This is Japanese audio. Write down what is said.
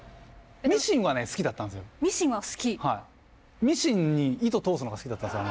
ミシンはね好きだったんですよ。